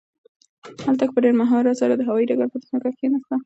الوتکه په ډېر مهارت سره د هوايي ډګر پر ځمکه کښېناسته.